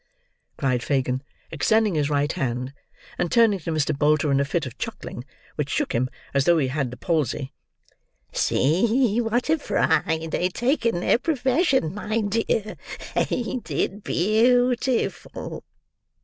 cried Fagin, extending his right hand, and turning to Mr. Bolter in a fit of chuckling which shook him as though he had the palsy; "see what a pride they take in their profession, my dear. Ain't it beautiful?"